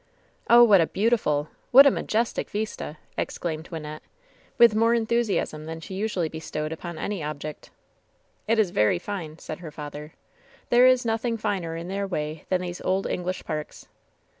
"Oh, what a beautiful — ^what a majestic vista !" ex claimed Wynnette, with more enthusiasm than she usually bestowed upon any object. "It is very fine," said her father. "There is nothing finer in their way than these old English parks."